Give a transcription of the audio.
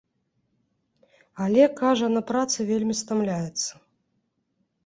Але, кажа, на працы вельмі стамляецца.